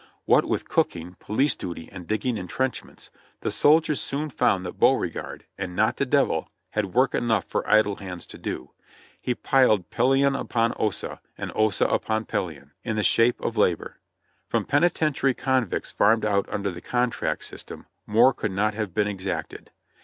What with cooking, police duty, and digging entrenchments, the sol diers soon found that Beauregard, and not the Devil, had work enough for idle hands to do; he piled "Pelion upon Ossa, and Ossa upon Pelion," in the shape of labor; from penitentiary con victs farmed out under the contract system, more could not have been exacted.